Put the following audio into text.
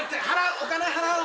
お金払おう